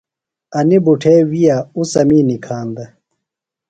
انیۡ بُٹھے وِیہ اُڅَمی نِکھاندہ۔